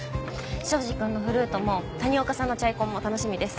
庄司君のフルートも谷岡さんの『チャイコン』も楽しみです。